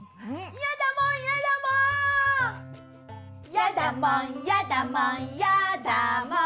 やだもんやだもんやだもん。